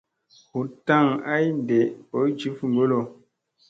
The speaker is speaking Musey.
Hut tak ay nde boy jif ŋgolo.